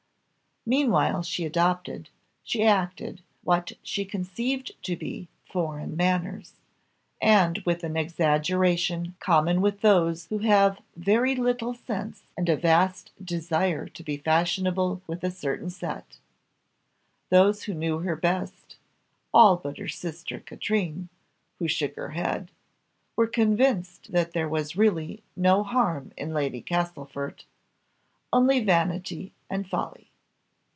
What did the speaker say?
Meanwhile she adopted, she acted, what she conceived to be foreign manners, and with an exaggeration common with those who have very little sense and a vast desire to be fashionable with a certain set. Those who knew her best (all but her sister Katrine, who shook her head,) were convinced that there was really no harm in Lady Castlefort, "only vanity and folly."